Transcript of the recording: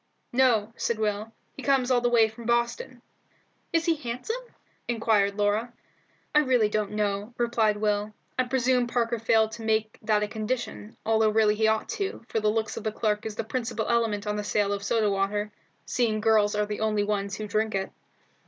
"No," said Will; "he comes all the way from Boston." "Is he handsome?" inquired Laura. "I really don't know," replied Will. "I presume Parker failed to make that a condition, although really he ought to, for the looks of the clerk is the principal element in the sale of soda water, seeing girls are the only ones who drink it."